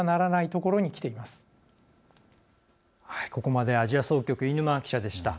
ここまでアジア総局、飯沼記者でした。